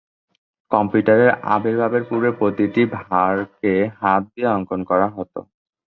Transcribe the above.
কম্পিউটারের আবির্ভাবের পূর্বে প্রতিটি ভরকে হাত দিয়ে অঙ্কন করতে হতো।